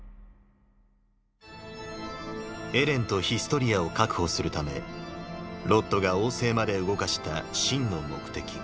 エレンとヒストリアを確保するためロッドが王政まで動かした真の目的。